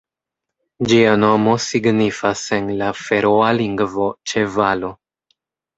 Ĝia nomo signifas en la feroa lingvo "ĉevalo".